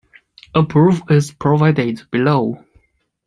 A proof is provided below.